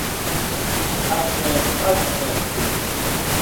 A swɛ̃, a ǹ swɛ̃ kon di.